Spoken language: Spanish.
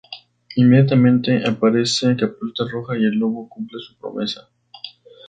Inmediatamente, aparece Caperucita Roja y el lobo cumple su promesa.